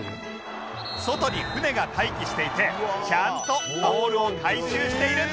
外に船が待機していてちゃんとボールを回収しているんです